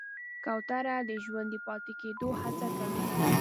کوتره د ژوندي پاتې کېدو هڅه کوي.